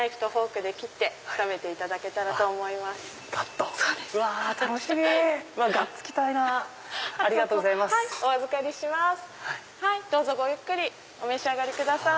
どうぞごゆっくりお召し上がりください。